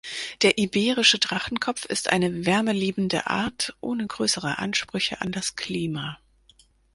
Der Iberische Drachenkopf ist eine wärmeliebende Art ohne größere Ansprüche an das Klima.